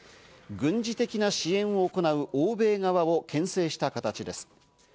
軍事的な支援を行う欧米側を牽制した形です。